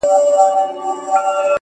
• د نسترن څڼو کي,